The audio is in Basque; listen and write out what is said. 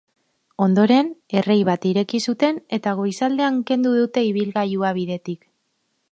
Ondoren, errei bat ireki zuten eta goizaldean kendu dute ibilgailua bidetik.